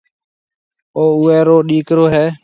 او اُوئي رو ڏِيڪرو هيَ